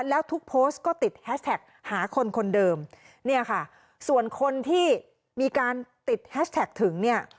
แล้วทุกโพสต์ก็ติดแฮชแท็กหาคนคนเดิมเนี่ยค่ะส่วนคนที่มีการติดแฮชแท็กถึงเนี่ย